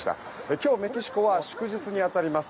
今日、メキシコは祝日に当たります。